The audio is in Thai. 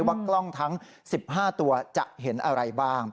ว่ากล้องทั้ง๑๕ตัวจะเห็นอะไรบ้าง